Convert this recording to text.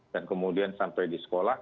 dan kemudian sampai di sekolah